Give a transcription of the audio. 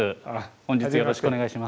本日よろしくお願いします。